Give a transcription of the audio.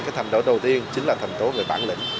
cái thành đấu đầu tiên chính là thành tố về bản lĩnh